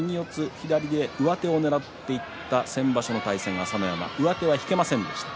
左で上手をねらっていった先場所の対戦、朝乃山上手は引けませんでした。